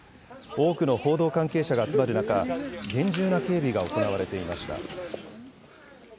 多くの報道関係者が集まる中、厳重な警備が行われていました。